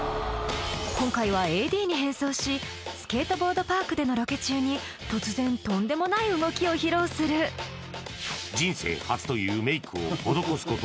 今回はＡＤに変装しスケートボードパークでのロケ中に突然とんでもない動きを披露する人生初というメイクを施すこと